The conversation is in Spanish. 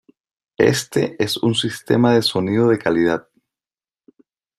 Éste es un sistema de sonido de calidad.